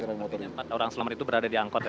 empat orang selamat itu berada di angkot ya